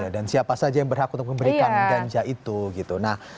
dan siapa saja yang berhak untuk memberikan ganja itu